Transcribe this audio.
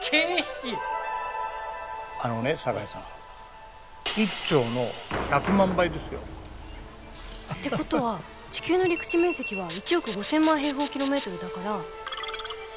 あのね堺さん１兆の１００万倍ですよ。ってことは地球の陸地面積は１億５，０００万だから。